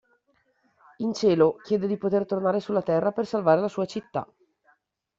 In cielo chiede di poter tornare sulla terra per salvare la sua città.